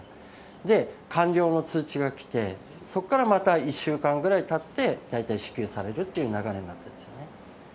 で、完了の通知が来て、そこからまた１週間ぐらいたって大体支給されるっていう流れなんですよね。